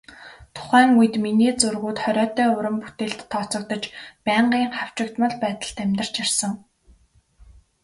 Тухайн үед миний зургууд хориотой уран бүтээлд тооцогдож, байнгын хавчигдмал байдалд амьдарч ирсэн.